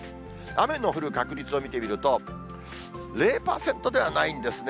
雨の降る確率を見てみると、０％ではないんですね。